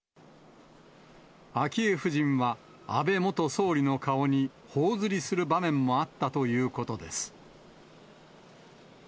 昭恵夫人は、安倍元総理の顔にほおずりする場面もあったということです。